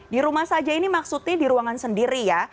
di rumah saja ini maksudnya di ruangan sendiri ya